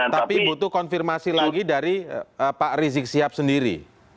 tapi butuh konfirmasi lagi dari pak rizik sihab sendiri